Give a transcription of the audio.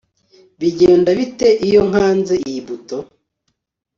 Bigenda bite iyo nkanze iyi buto